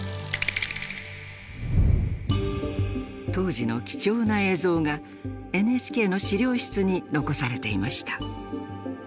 当時の貴重な映像がＮＨＫの資料室に残されていました。